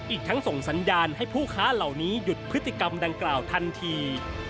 อีกทั้งส่งสัญญาณให้ผู้ค้าเหล่านี้หยุดพฤติกรรมดังกล่าวทันที